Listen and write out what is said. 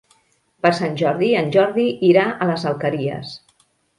Per Sant Jordi en Jordi irà a les Alqueries.